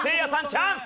チャンス！